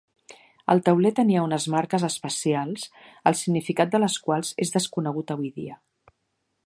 El tauler tenia unes marques especials, el significat de les quals és desconegut avui dia.